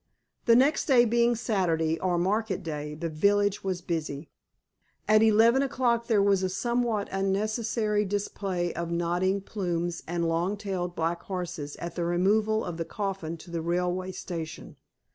The next day being Saturday, or market day, the village was busy. At eleven o'clock there was a somewhat unnecessary display of nodding plumes and long tailed black horses at the removal of the coffin to the railway station.